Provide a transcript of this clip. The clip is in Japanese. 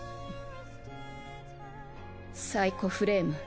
サイコフレーム。